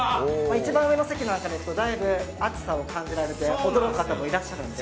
一番上の席にいるとだいぶ熱さを感じられて驚く方もいらっしゃるので。